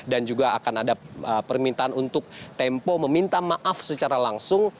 dan juga akan ada permintaan untuk tempo meminta maaf secara langsung